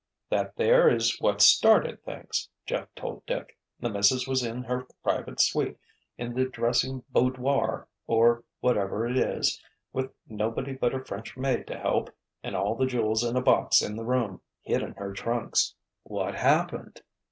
"That there is what started things," Jeff told Dick. "The missus was in her private suite, in the dressing bowdoir or whatever it is, with nobody but her French maid to help, and all the jewels in a box in the room, hid in her trunks." "What happened?"